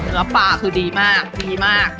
แล้วปลาคือดีมากดีมาก